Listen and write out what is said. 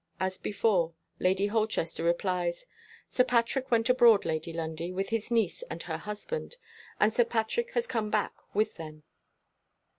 As before, Lady Holchester replies "Sir Patrick went abroad, Lady Lundie, with his niece and her husband; and Sir Patrick has come back with them."